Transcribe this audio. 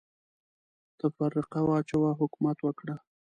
تفرقه واچوه ، حکومت وکړه.